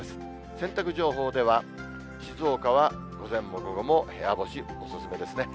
洗濯情報では、静岡は午前も午後も部屋干しお勧めですね。